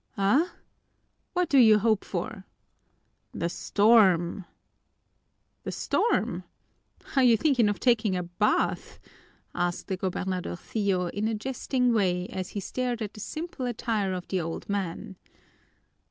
"Ah? What do you hope for?" "The storm!" "The storm? Are you thinking of taking a bath?" asked the gobernadorcillo in a jesting way as he stared at the simple attire of the old man.